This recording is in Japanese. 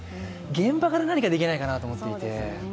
現場から何かできないかなと思っていて。